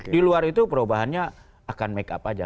di luar itu perubahannya akan make up aja